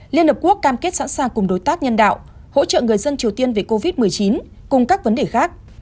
liên hợp quốc cam kết sẵn sàng cùng đối tác nhân đạo hỗ trợ người dân triều tiên về covid một mươi chín cùng các vấn đề khác